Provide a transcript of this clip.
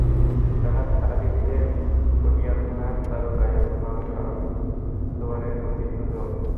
রাহাত আলী ছিলেন পটিয়া থানার দারোগা এবং মাওলানা আবদুস সোবহানের ঘনিষ্ঠজন।